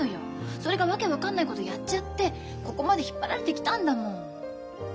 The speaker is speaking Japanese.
それが訳分かんないことやっちゃってここまで引っ張られてきたんだもん。